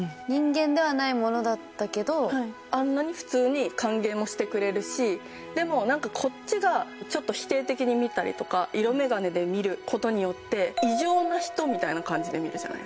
あんなに普通に歓迎もしてくれるしでもなんかこっちがちょっと否定的に見たりとか色眼鏡で見る事によって異常な人みたいな感じで見るじゃないですか。